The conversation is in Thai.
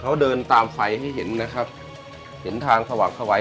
เขาเดินตามไฟให้เห็นนะครับเห็นทางสวัสดิ์เข้าไหว